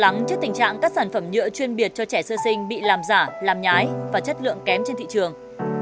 nắng trước tình trạng các sản phẩm nhựa chuyên biệt cho trẻ sơ sinh bị làm giả làm nhái và chất lượng kém trên thị trường